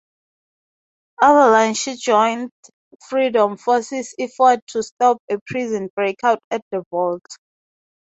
Avalanche then joined Freedom Force's effort to stop a prison breakout at the Vault.